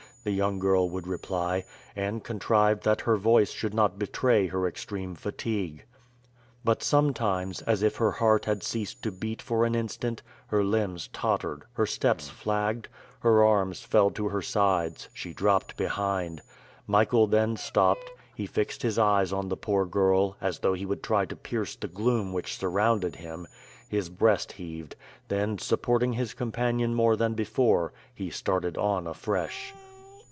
the young girl would reply, and contrived that her voice should not betray her extreme fatigue. But sometimes, as if her heart had ceased to beat for an instant, her limbs tottered, her steps flagged, her arms fell to her sides, she dropped behind. Michael then stopped, he fixed his eyes on the poor girl, as though he would try to pierce the gloom which surrounded him; his breast heaved; then, supporting his companion more than before, he started on afresh.